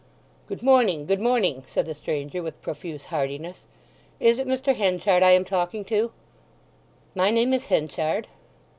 "Good morning, good morning," said the stranger with profuse heartiness. "Is it Mr. Henchard I am talking to?" "My name is Henchard."